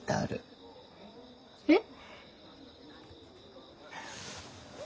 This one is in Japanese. えっ？